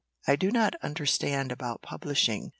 I do not understand about publishing.